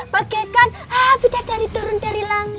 bagikan habisnya dari turun dari langit